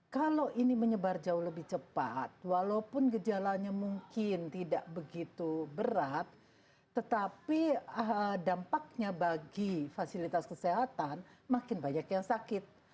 kalau ini menyebar jauh lebih cepat walaupun gejalanya mungkin tidak begitu berat tetapi dampaknya bagi fasilitas kesehatan makin banyak yang sakit